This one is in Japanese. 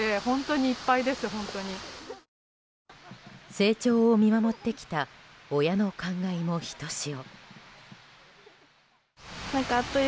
成長を見守ってきた親の感慨もひとしお。